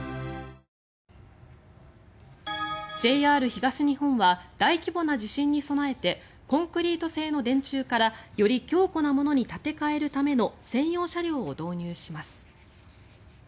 ＪＲ東日本は大規模な地震に備えてコンクリート製の電柱からより強固なものに建て替えるための専用車両を導入します。